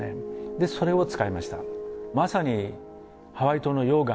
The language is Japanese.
でそれを使いました。